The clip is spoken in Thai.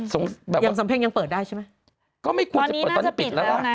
สำเพ็งยังเปิดได้ใช่ไหม